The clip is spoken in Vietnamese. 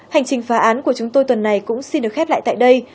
hành trình phá án của chúng tôi tuần này cũng xin được khép lại tại đây